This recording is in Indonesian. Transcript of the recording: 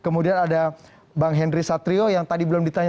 mbak eni sudah datang